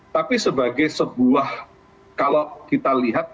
tapi sebagai sebuah kalau kita lihat